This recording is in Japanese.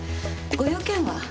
ご用件は？